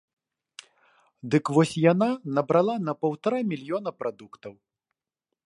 Дык вось яна набрала на паўтара мільёна прадуктаў.